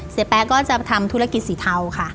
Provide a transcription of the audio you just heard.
แป๊ะก็จะทำธุรกิจสีเทาค่ะ